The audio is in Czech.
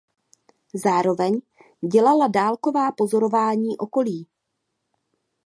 Zároveň dělala dálková pozorování okolí.